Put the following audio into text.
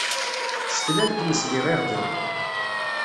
Ccetla n tmes d iɣiɣden.